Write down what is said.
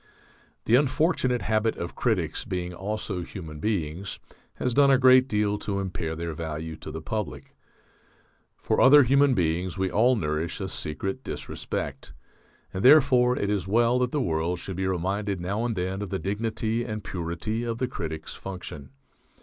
The unfortunate habit of critics being also human beings has done a great deal to impair their value to the public. For other human beings we all nourish a secret disrespect. And therefore it is well that the world should be reminded now and then of the dignity and purity of the critic's function.